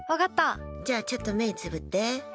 じゃあちょっと目つむって。